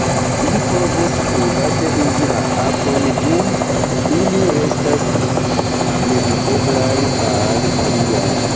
Ili povos private uzi la apon dum ili restas nevideblaj al aliaj.